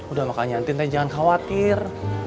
udah makanya entin teh jangan khawatir